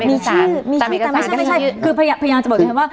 ไม่ใช่คือพยายามจะบอกดิฉันว่า